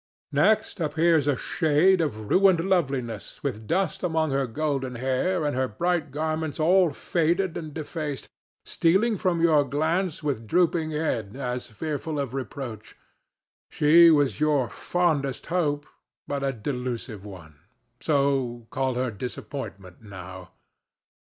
Next appears a shade of ruined loveliness with dust among her golden hair and her bright garments all faded and defaced, stealing from your glance with drooping head, as fearful of reproach: she was your fondest hope, but a delusive one; so call her Disappointment now.